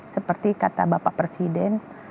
seperti kata bapak presiden